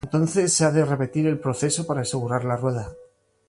Entonces, se ha de repetir el proceso para asegurar la rueda.